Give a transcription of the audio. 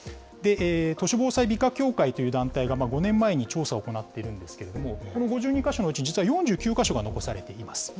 都市防災美化協会という団体が５年前に調査を行っているんですけれども、この５２か所のうち、実は４９か所が残されています。